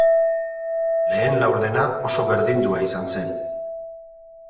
Lehen laurdena oso berdindua izan zen.